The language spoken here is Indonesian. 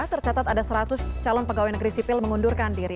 tercatat ada seratus calon pegawai negeri sipil mengundurkan diri